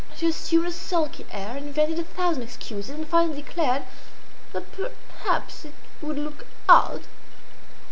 She assumed a sulky air, invented a thousand excuses, and finally declared that perhaps it would look odd.